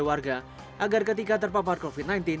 warga agar ketika terpapar covid sembilan belas